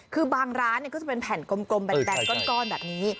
คือบางร้านก็จะเป็นแผ่นกลมแบนก้อนแบบนี้